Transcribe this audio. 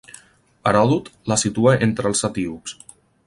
Heròdot la situa entre els etíops.